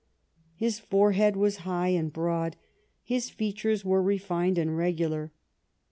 His forehead was broad and high. His features were refined and regular.